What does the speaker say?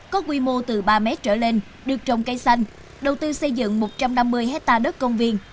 có quy mô từ ba mét trở lên được trồng cây xanh đầu tư xây dựng một trăm năm mươi hectare đất công viên